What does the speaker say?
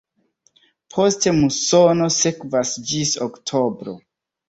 Poste musono sekvas ĝis oktobro.